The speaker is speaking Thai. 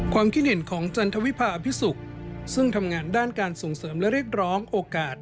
ความคิดเห็นของจันทวิพาอภิสุกซึ่งทำงานด้านการส่งเสริมและเรียกร้องโอกาส